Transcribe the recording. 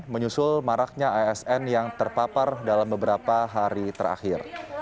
menyusul maraknya asn yang terpapar dalam beberapa hari terakhir